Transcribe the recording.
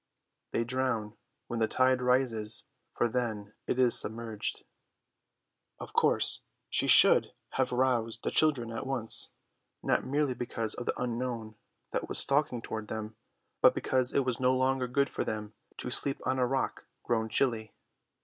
They drown when the tide rises, for then it is submerged. Of course she should have roused the children at once; not merely because of the unknown that was stalking toward them, but because it was no longer good for them to sleep on a rock grown chilly.